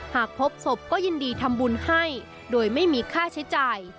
หากพบศพก็ยินดีทำบุญให้โดยไม่มีค่าใช้จ่าย